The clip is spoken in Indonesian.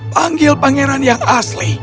panggil pangeran yang asli